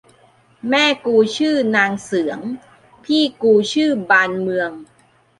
แม่กูชื่อนางเสือง พี่กูชื่อบานเมือง